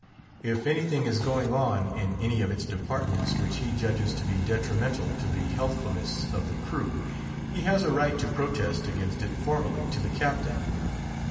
If anything is going on in any of its departments which he judges to be detrimental to the healthfulness of the crew, he has a right to protest against it formally to the Captain.